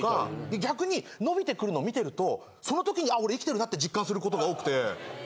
逆に伸びてくるのを見てるとそのときに俺生きてるなって実感することが多くて。